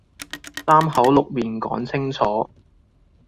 三口六面講清楚